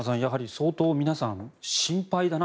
相当、皆さん心配だな